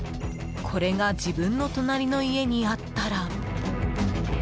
これが自分の隣の家にあったら。